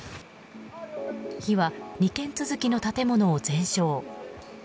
火は２軒続きの建物を全焼。